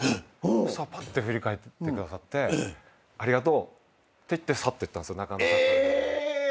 したらぱって振り返ってくださって「ありがとう」って言って去ってったんすよ。